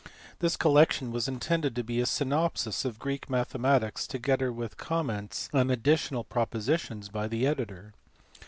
This collection was intended to be a syn opsis of Greek mathematics together with comments and additional propositions by the editor.